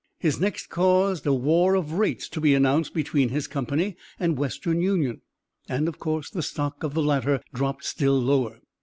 He next caused a war of rates to be announced between his company and Western Union, and of course, the stock of the latter dropped still lower.